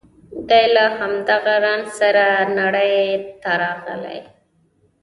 دی له همدغه رنځ سره نړۍ ته راغلی